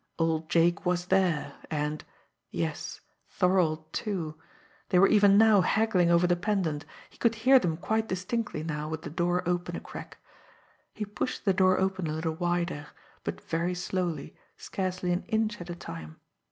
Old Jake was there, and yes, Thorold, too. They were even now haggling over the pendant he could hear them quite distinctly now with the door open a crack. He pushed the door open a little wider, but very slowly, scarcely an inch at a time.